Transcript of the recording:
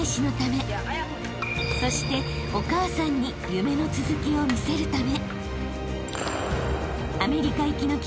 ［そしてお母さんに夢の続きを見せるため］